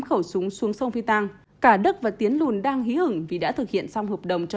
khẩu súng xuống sông phi tàng cả đức và tiến lùn đang hí hứng vì đã thực hiện xong hợp đồng cho